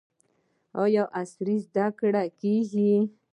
آیا عصري زده کړې کیږي؟